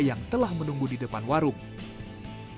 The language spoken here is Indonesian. yang telah menunggu di depan warung